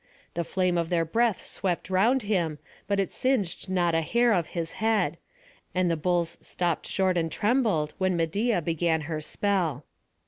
The flame of their breath swept round him, but it singed not a hair of his head; and the bulls stopped short and trembled, when Medeia began her spell.